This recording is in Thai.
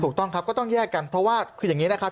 ถูกต้องครับก็ต้องแยกกันเพราะว่าคืออย่างนี้นะครับ